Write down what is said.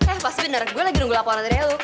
eh pasti bener gue lagi nunggu laporan dari lu